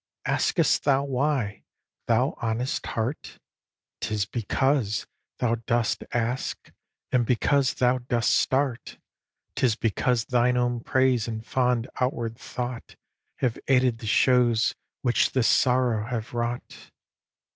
Ask'st thou why, thou honest heart? 'Tis because thou dost ask, and because thou dost start. 'Tis because thine own praise and fond outward thought Have aided the shews which this sorrow have wrought.